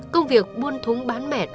công việc buôn thúng bán mẹt